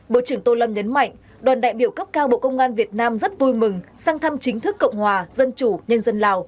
bộ trưởng tô lâm nhấn mạnh đoàn đại biểu cấp cao bộ công an việt nam rất vui mừng sang thăm chính thức cộng hòa dân chủ nhân dân lào